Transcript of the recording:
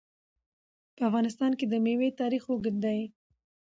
په افغانستان کې د مېوې تاریخ اوږد دی.